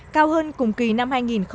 cao hơn cùng kỳ năm hai nghìn một mươi tám